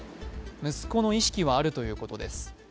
息子の意識はあるということです。